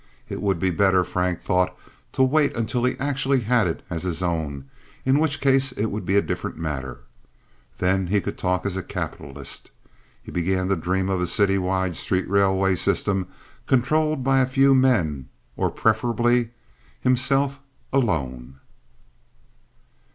It would be better, Frank thought, to wait until he actually had it as his own, in which case it would be a different matter. Then he could talk as a capitalist. He began to dream of a city wide street railway system controlled by a few men, or preferably himself alone.